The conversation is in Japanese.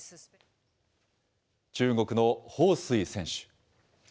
中国の彭帥選手。